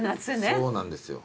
そうなんですよ。